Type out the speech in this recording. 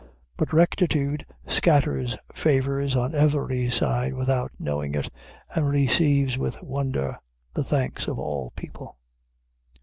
But rectitude scatters favors on every side without knowing it, and receives with wonder the thanks of all people.